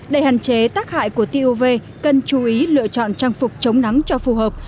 để hạn chế tác hại của tiêu uv cần chú ý lựa chọn trang phục chống nắng cho phù hợp